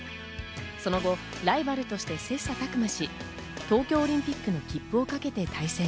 その後、ライバルとして切磋琢磨し、東京オリンピックの切符をかけて対戦。